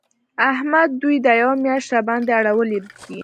احمد دوی دا یوه مياشت راباندې اړولي دي.